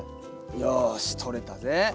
よしとれたぜ。